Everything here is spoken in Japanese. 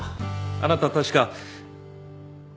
あなた確か。